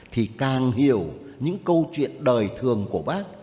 thì càng hiểu những câu chuyện đời thường của bác